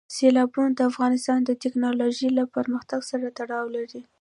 سیلابونه د افغانستان د تکنالوژۍ له پرمختګ سره تړاو لري.